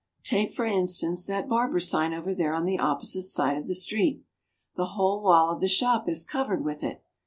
Take, for Moscow. 345 instance, that barber sign over there on the opposite side of the street ! The whole wall of the shop is covered with it.